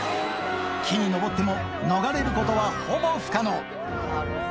木に登っても、逃れることはほぼ不可能。